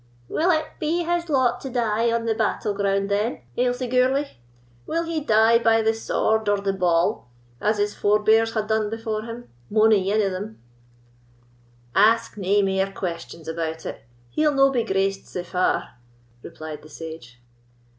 "Will it be his lot to die on the battle ground then, Ailsie Gourlay? Will he die by the sword or the ball, as his forbears had dune before him, mony ane o' them?" "Ask nae mair questions about it—he'll no be graced sae far," replied the sage.